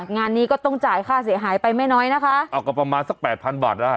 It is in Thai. งานนี้ก็ต้องจ่ายค่าเสียหายไปไม่น้อยนะคะเอาก็ประมาณสักแปดพันบาทได้